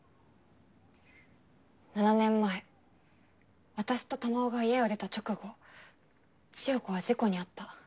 ７年前私と珠緒が家を出た直後千世子は事故に遭った。